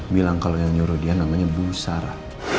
bilang kalau yang nyuruh dia namanya bu sara